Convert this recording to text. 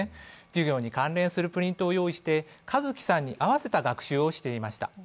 授業に関連するプリントを用意して和毅さんに合わせた学習をしていました。